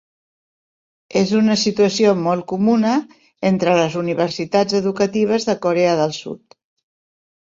És una situació molt comuna entre les universitats educatives de Corea del Sud.